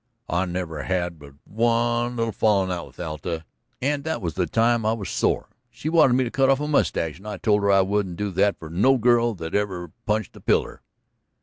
"I never had but one little fallin' out with Alta, and that was the time I was sore. She wanted me to cut off my mustache, and I told her I wouldn't do that for no girl that ever punched a piller."